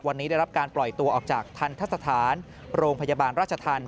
วันนี้ได้รับการปล่อยตัวออกจากทันทะสถานโรงพยาบาลราชธรรม